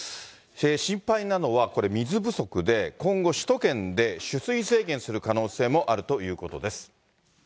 心配なのは水不足で、今後、首都圏で取水制限する可能性もあるということです。